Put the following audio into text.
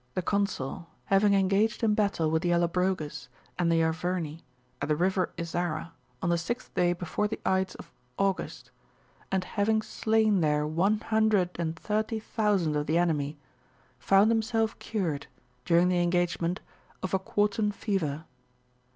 20/ consul, having engaged in battle with the Allobroges and the Arverni, at the river Isara, on the sixth day before the ides of August, and having slain there one hundred and thirty thou sand of the enemy, found himself cured, during the engage ment, of a quartan fever.